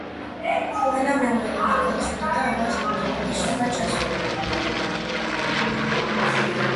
ხუანა მეორედ აღარ გათხოვდა და აღარც პორტუგალიაში აღარ ჩასულა.